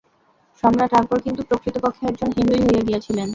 সম্রাট আকবর কিন্তু প্রকৃতপক্ষে একজন হিন্দুই হইয়া গিয়াছিলেন।